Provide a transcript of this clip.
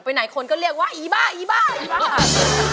ไหนคนก็เรียกว่าอีบ้าอีบ้าอีบ้า